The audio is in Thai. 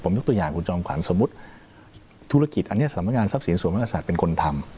ยกตัวอย่างคุณจอมขวัญสมมุติธุรกิจอันนี้สำนักงานทรัพย์สินส่วนมากษัตริย์เป็นคนทำ